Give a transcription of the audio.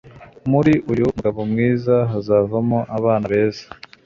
Muri uyu mugabo mwiza hazavamo abana beza